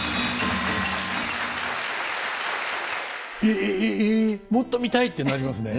「えもっと見たい」ってなりますね。